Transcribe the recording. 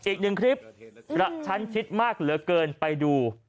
อีกหนึ่งคลิประชั้นชิดมากเหลือเกินไปดู